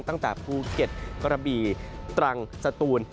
ตั้งแต่ภูเก็ตกระบี่ตรังสตูน